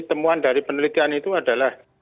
temuan dari penelitian itu adalah